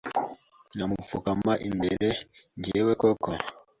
nkamupfukama imbere njwewe koko